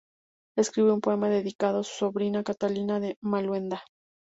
Escribió un poema dedicado a su sobrina, Catalina de Maluenda.